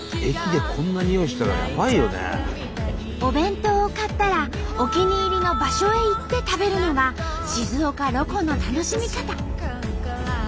お弁当を買ったらお気に入りの場所へ行って食べるのが静岡ロコの楽しみ方。